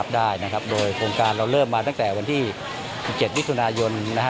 ได้โดยโครงการเราเริ่มมาตั้งแต่วันที่๑๗มิถุนายน